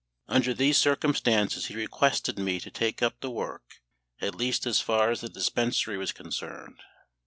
Under these circumstances he requested me to take up the work, at least so far as the dispensary was concerned.